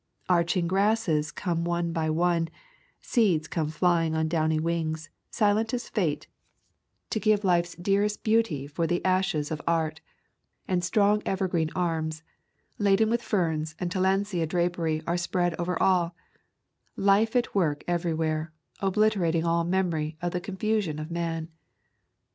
Arching grasses come one by one; seeds come flying on downy wings, silent as fate, to give life's dearest beauty A Thousand Mile W alb for the ashes of art; and strong evergreen arms laden with ferns and tillandsia drapery are spread over all— Life at work everywhere, obliterating all memory of the confusion of man.